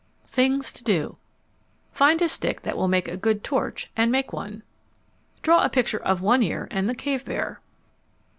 THINGS TO DO Find a stick that will make a good torch and make one. _Draw a picture of One Ear and the cave bear.